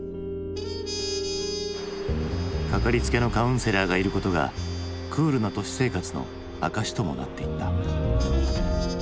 かかりつけのカウンセラーがいることがクールな都市生活の証しともなっていった。